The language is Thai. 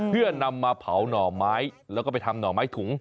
เพื่อนำมาเผาหน่อไม้แล้วก็ไปทำหน่อไม้ถุง